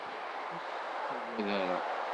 Ur k-tettagad ara.